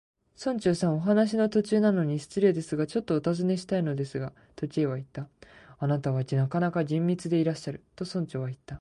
「村長さん、お話の途中なのに失礼ですが、ちょっとおたずねしたいのですが」と、Ｋ はいった。「あなたはなかなか厳密でいらっしゃる」と、村長はいった。